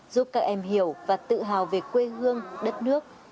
giúp các em hiểu và tự hào về quê hương đất nước